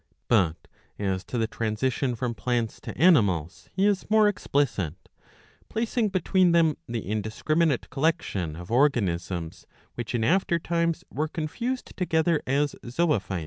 '' But as to the transition from Plants to Animals he is more explicit ; placing between them the indiscriminate collection or organisms, which in after times were confused together as zoophytes, ' D.